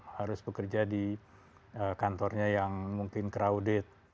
harus bekerja di kantornya yang mungkin crowded